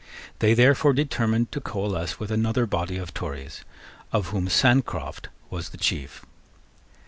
They therefore determined to coalesce with another body of Tories of whom Sancroft was the chief.